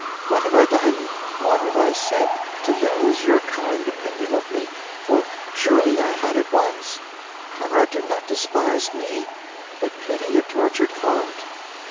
What have I done what have I said, to lose your kind opinion of me for surely I had it once? Conrad, do not despise me, but pity a tortured heart?